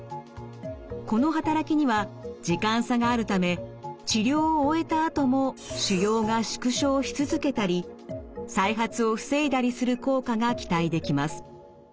この働きには時間差があるため治療を終えたあとも腫瘍が縮小し続けたり再発を防いだりする効果が期待できます。